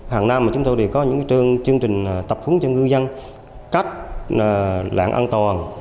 hàng năm mà chúng tôi đều có những chương trình tập phúng cho ngư dân cách lặn an toàn